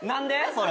それ。